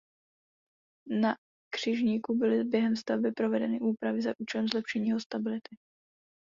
Na křižníku byly během stavby provedeny úpravy za účelem zlepšení jeho stability.